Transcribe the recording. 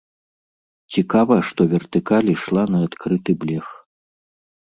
Цікава, што вертыкаль ішла на адкрыты блеф.